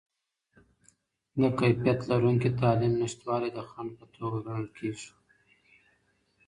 د کیفیت لرونکې تعلیم نشتوالی د خنډ په توګه ګڼل کیږي.